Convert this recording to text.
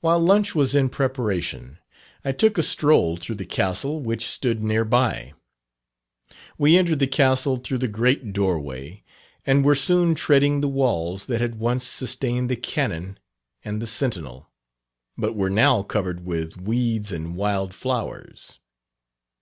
While lunch was in preparation I took a stroll through the Castle which stood near by. We entered the Castle through the great door way and were soon treading the walls that had once sustained the cannon and the sentinel, but were now covered with weeds and wild flowers.